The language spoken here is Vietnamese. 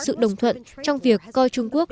sự đồng thuận trong việc coi trung quốc